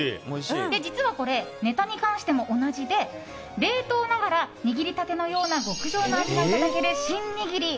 実はこれ、ネタに関しても同じで冷凍ながら握りたてのような極上の味が楽しめるシン握り。